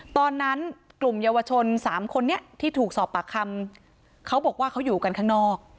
ตอนนั้นกลุ่มเยาวชนสามคนนี้ที่ถูกสอบปากคำเขาบอกว่าเขาอยู่กันข้างนอก